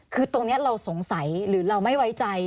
คือตรงนี้เราสงสัยหรือเราไม่ไว้ใจ